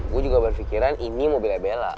gue juga berpikiran ini mobilnya bella